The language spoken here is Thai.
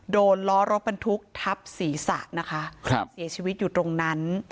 โดนล้อรกบันทุกข์ทับศีสะนะคะเสียชีวิตอยู่ตรงนั้น